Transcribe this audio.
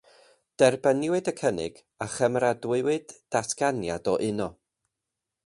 Derbyniwyd y cynnig a chymeradwywyd datganiad o uno.